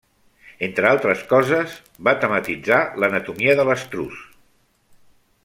Entre altres coses, va tematitzar l'anatomia de l'estruç.